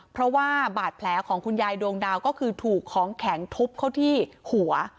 เพราะว่าบาดแผลของคุณยายดวงดาวก็คือถูกของแข็งทุบเข้าที่หัว